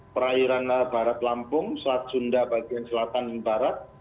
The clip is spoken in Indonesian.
perairan barat lampung selat sunda bagian selatan dan barat